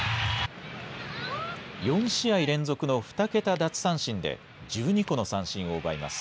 ４試合連続の２桁奪三振で１２個の三振を奪います。